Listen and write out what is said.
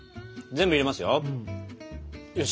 全部入れますよ。